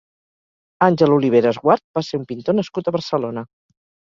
Ángel Oliveras Guart va ser un pintor nascut a Barcelona.